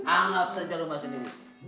angap saja rumah sendiri